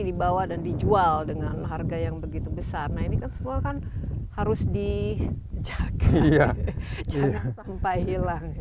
dibawa dan dijual dengan harga yang begitu besar nah ini kan semua kan harus dijaga jangan sampai hilang